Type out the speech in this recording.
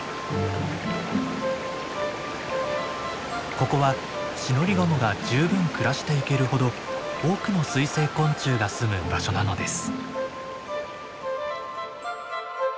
ここはシノリガモが十分暮らしていけるほど多くの水生昆虫がすむ場所なのです。